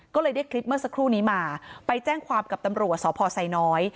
ก็เลยได้คลิปเมื่อสักครู่นี้มาไปแจ้งความกับตำรวจสพไซน้อย